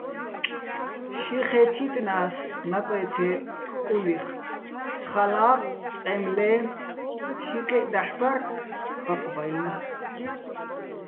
ში ხეჼ თიტნა́ს ნაკვე́თე ხკული́ხ, სხალაჲ, ტყემლე́ჲ, შიკეჸ დაჰ̦ ბარ ბაყბაჲლნო̆.